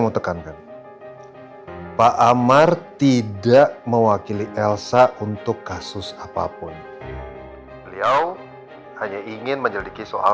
tekankan pak amar tidak mewakili elsa untuk kasus apapun beliau hanya ingin menyelidiki soal